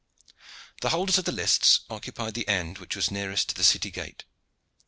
The holders of the lists occupied the end which was nearest to the city gate.